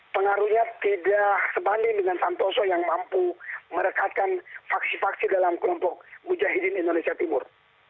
pengaruhnya tidak sebanding dengan santoso yang mampu merekatkan faksi faksi dalam kelompok mujahidin indonesia timur